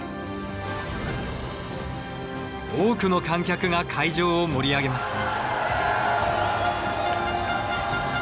多くの観客が会場を盛り上げます。